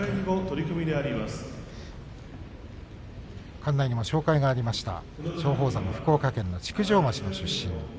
館内にも紹介がありました松鳳山福岡県築上町の出身。